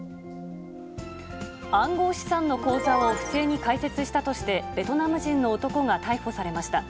暗号資産の口座を不正に開設したとして、ベトナム人の男が逮捕されました。